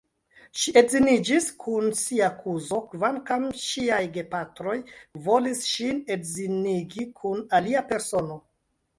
Ŝi edziniĝis kun sia kuzo, kvankam ŝiaj gepatroj volis ŝin edzinigi kun alia persono.